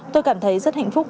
tôi cảm thấy rất hạnh phúc